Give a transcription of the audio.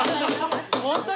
ホントに？